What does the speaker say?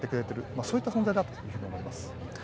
そういう存在だと思います。